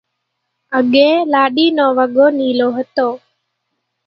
اڳيَ لاڏِي نو وڳو نيلو هوتو۔